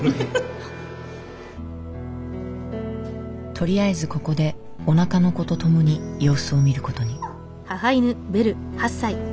とりあえずここでおなかの子とともに様子を見る事に。